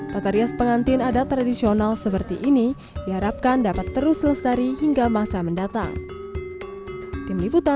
tata rias pengantin adat tradisional seperti ini diharapkan dapat terus lestari hingga masa mendatang